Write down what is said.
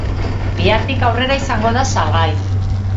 Bihartik aurrera izango da salgai.